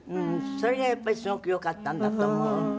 それがやっぱりすごくよかったんだと思う。